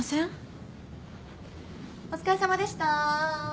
お疲れさまでした。